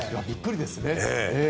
びっくりですね。